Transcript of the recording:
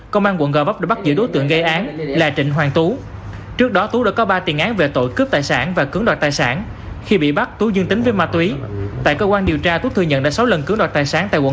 công an quận gò vấp đã phù hợp với các đơn vị liên quan tiếp tục điều tra mở rộng vụ án này